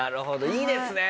いいですね！